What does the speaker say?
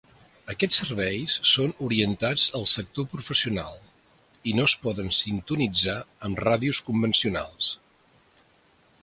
Aquests serveis són orientats al sector professional, i no es poden sintonitzar amb ràdios convencionals.